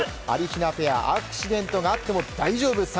はりひなペアアクシデントがあっても大丈夫！